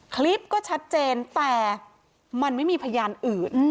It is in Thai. คลิปก็ชัดเจนแต่มันไม่มีพยานอื่น